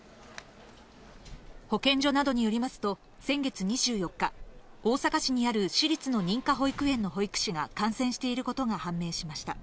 保健所などによりますと、先月２４日、大阪市にある私立の認可保育園の保育士が感染していることが判明しました。